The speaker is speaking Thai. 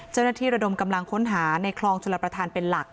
เจ้าหน้าที่ระดมกำลังค้นหาในคลองจุลประทานเป็นหลัก